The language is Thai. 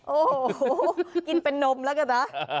โอ้โหกินเป็นนมแล้วกันนะ